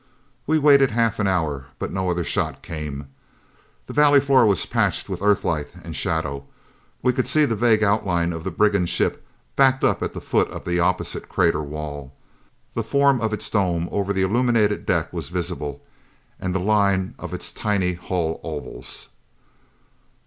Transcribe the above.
We waited half an hour; but no other shot came. The valley floor was patched with Earthlight and shadow. We could see the vague outline of the brigand ship backed up at the foot of the opposite crater wall. The form of its dome over the illuminated deck was visible, and the line of its tiny hull ovals.